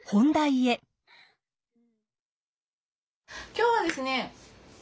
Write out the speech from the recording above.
今日はですね